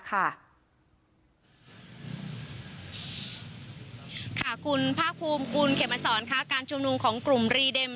การชุมนุมของกลุ่มรีเด็ม